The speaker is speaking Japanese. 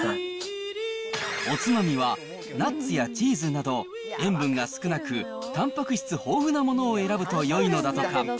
おつまみは、ナッツやチーズなど、塩分が少なくたんぱく質豊富なものを選ぶとよいのだとか。